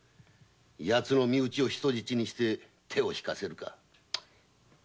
身内でも人質にして手を引かせるか？